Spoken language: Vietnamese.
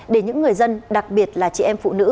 để những người dân đặc biệt là chị em phụ nữ